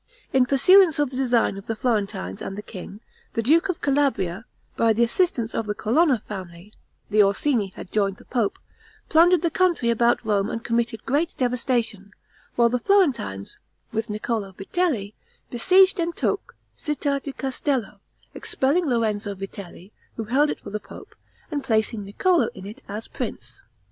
In pursuance of the design of the Florentines and the king, the duke of Calabria, by the assistance of the Colonna family (the Orsini had joined the pope), plundered the country about Rome and committed great devastation; while the Florentines, with Niccolo Vitelli, besieged and took Citta di Castello, expelling Lorenzo Vitelli, who held it for the pope, and placing Niccolo in it as prince.